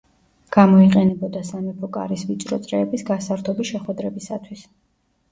გამოიყენებოდა სამეფო კარის ვიწრო წრეების გასართობი შეხვედრებისათვის.